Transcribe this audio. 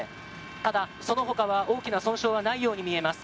ただ、そのほかは大きな損傷はないように見えます。